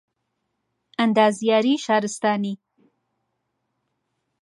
ئەندازیاریی شارستانی